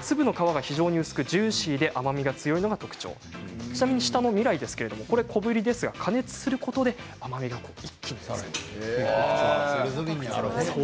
粒の皮が非常に薄くジューシーで甘みが強いのが特徴ちなみに下の味来は小ぶりですが加熱することで甘みが増すということです。